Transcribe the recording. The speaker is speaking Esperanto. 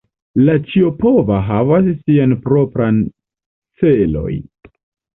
La Ĉiopova havas Sian propran celoj.